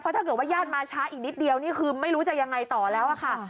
ถ้าเกิดว่าญาติมาช้าอีกนิดเดียวนี่คือไม่รู้จะยังไงต่อแล้วค่ะ